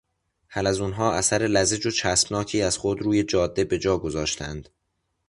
حلزونها اثر لزج و چسبناکی از خود روی جاده به جا گذاشتند.